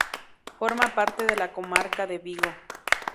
Forma parte de la comarca de Vigo.